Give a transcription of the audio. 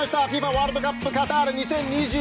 ワールドカップカタール２０２２！